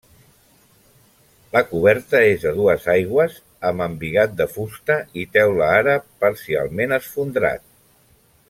La coberta és a dues aigües amb embigat de fusta i teula àrab, parcialment esfondrat.